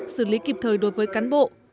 xử lý kịp thời đối với cán bộ